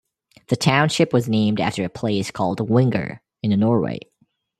The township was named after a place called Winger, in Norway.